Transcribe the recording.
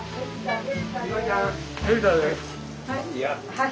はい。